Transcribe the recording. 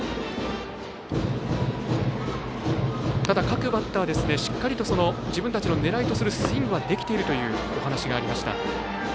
ただ、各バッター、しっかりと自分たちの狙いとするスイングはできているというお話がありました。